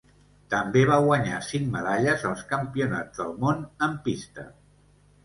També va guanyar cinc medalles als Campionats del Món en pista.